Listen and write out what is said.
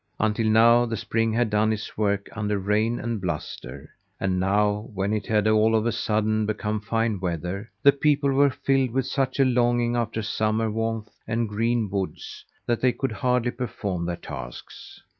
Until now, the spring had done its work under rain and bluster; and now, when it had all of a sudden become fine weather, the people were filled with such a longing after summer warmth and green woods that they could hardly perform their tasks.